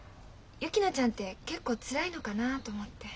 薫乃ちゃんって結構つらいのかなあと思って。